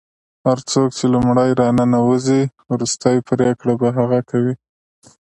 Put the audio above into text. هر څوک چې لومړی راننوځي وروستۍ پرېکړه به هغه کوي.